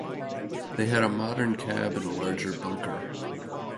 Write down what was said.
They had a modern cab and a larger bunker.